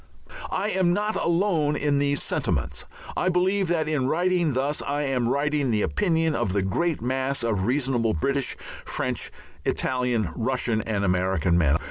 I am not alone in these sentiments. I believe that in writing thus I am writing the opinion of the great mass of reasonable British, French, Italian, Russian, and American men.